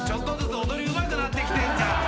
踊りうまくなってきてんじゃん。